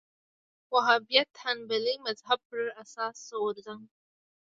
وهابیت حنبلي مذهب پر اساس غورځنګ دی